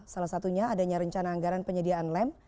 salah satunya adanya rencana anggaran penyediaan lem